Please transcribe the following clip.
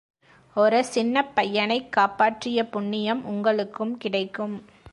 ஒரு சின்னப் பையனைக் காப்பாற்றிய புண்ணியம் உங்களுக்கும் கிடைக்கும்.